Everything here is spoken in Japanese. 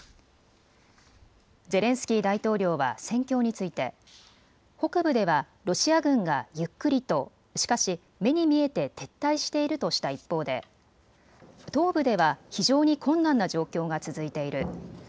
ゼレンスキー大統領は戦況について北部ではロシア軍がゆっくりとしかし目に見えて撤退しているとした一方で東部では非常に困難な状況が続いている。